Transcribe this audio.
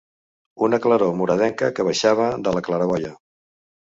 Una claror moradenca que baixava de la claraboia